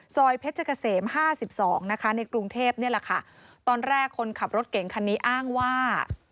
ซอยเพชรเกษม๕๒ในกรุงเทพฯตอนแรกคนขับรถเก่งคันนี้อ้างว่า